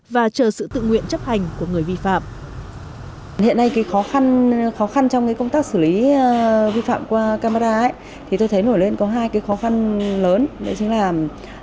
và chờ sự tự nguyện chấp hành của người vi phạm